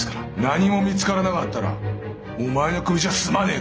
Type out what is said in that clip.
何も見つからなかったらお前のクビじゃ済まねえからな！